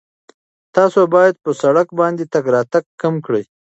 تاسو باید په سړک باندې تګ راتګ کم کړئ.